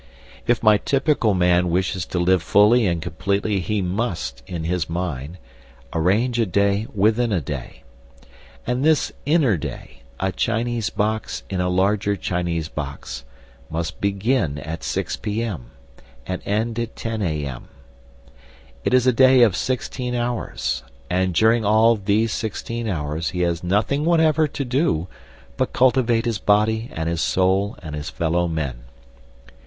If my typical man wishes to live fully and completely he must, in his mind, arrange a day within a day. And this inner day, a Chinese box in a larger Chinese box, must begin at 6 p.m. and end at 10 a.m. It is a day of sixteen hours; and during all these sixteen hours he has nothing whatever to do but cultivate his body and his soul and his fellow men.